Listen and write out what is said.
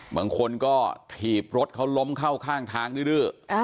บางคนก็ถีบรถเขาล้มเข้าข้างทางดื้อ